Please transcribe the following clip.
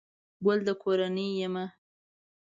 گل دکورنۍ يمه